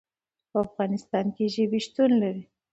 په افغانستان کې ژبې شتون لري.